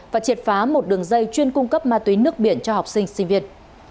và triệt phá một đường dây chuyên cung cấp ma túy nước biển cho học sinh sinh viên